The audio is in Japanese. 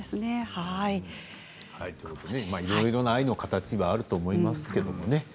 いろいろな愛の形はあると思いますけれどもね